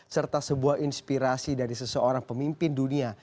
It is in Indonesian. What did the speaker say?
serta sebuah inspirasi dari seseorang pemimpin dunia